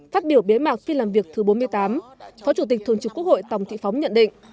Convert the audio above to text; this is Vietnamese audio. phát biểu bế mạc phiên làm việc thứ bốn mươi tám phó chủ tịch thường trực quốc hội tòng thị phóng nhận định